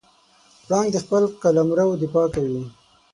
پړانګ د خپل قلمرو دفاع کوي.